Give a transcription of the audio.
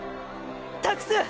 託す！